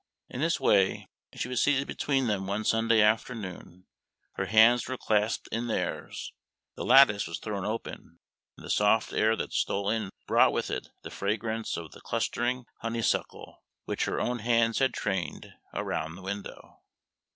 In this way she was seated between them one Sunday afternoon; her hands were clasped in theirs, the lattice was thrown open, and the soft air that stole in brought with it the fragrance of the clustering honeysuckle which her own hands had trained round the window.